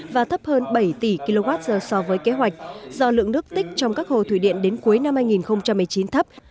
và thấp hơn bảy tỷ kwh so với kế hoạch do lượng nước tích trong các hồ thủy điện đến cuối năm hai nghìn một mươi chín thấp